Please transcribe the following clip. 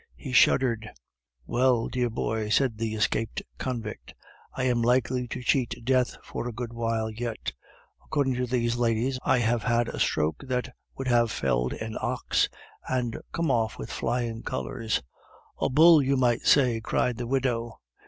He shuddered. "Well, dear boy," said the escaped convict, "I am likely to cheat death for a good while yet. According to these ladies, I have had a stroke that would have felled an ox, and come off with flying colors." "A bull you might say," cried the widow.